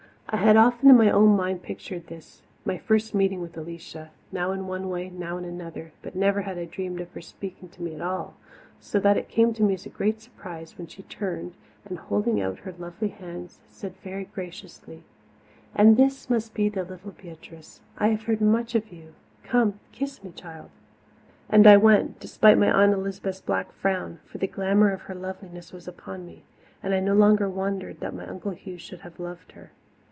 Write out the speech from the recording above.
I had often in my own mind pictured this, my first meeting with Alicia, now in one way, now in another, but never had I dreamed of her speaking to me at all, so that it came to me as a great surprise when she turned and, holding out her lovely hands, said very graciously: "And is this the little Beatrice? I have heard much of you come, kiss me, child." And I went, despite my Aunt Elizabeth's black frown, for the glamour of her loveliness was upon me, and I no longer wondered that my Uncle Hugh should have loved her.